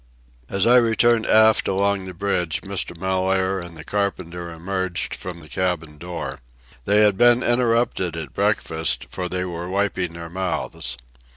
As I returned aft along the bridge Mr. Mellaire and the carpenter emerged from the cabin door. They had been interrupted at breakfast, for they were wiping their mouths.